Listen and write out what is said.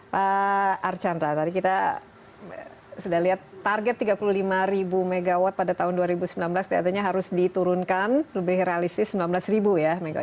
pak archandra tadi kita sudah lihat target tiga puluh lima ribu megawatt pada tahun dua ribu sembilan belas kelihatannya harus diturunkan lebih realistis sembilan belas ribu ya